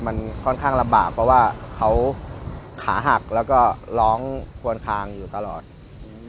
มันค่อนข้างลำบากเพราะว่าเขาขาหักแล้วก็ร้องควนคางอยู่ตลอดอืม